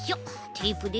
テープで。